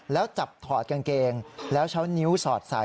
แล้วจับถอดกางเกงแล้วใช้นิ้วสอดใส่